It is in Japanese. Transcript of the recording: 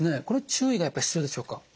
これ注意がやっぱ必要でしょうか？